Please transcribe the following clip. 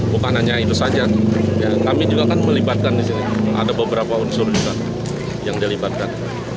bukan hanya itu saja kami juga kan melibatkan di sini ada beberapa unsur juga yang dilibatkan